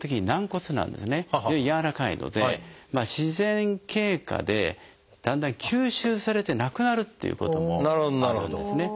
軟らかいので自然経過でだんだん吸収されてなくなるっていうこともあるんですね。